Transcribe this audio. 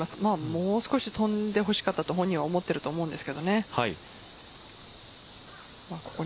もう少し飛んでほしかったと本人は思っていると思います。